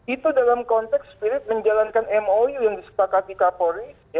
itu dalam konteks spirit menjalankan mou yang disepakati kapolri